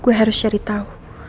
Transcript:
gue harus cari tahu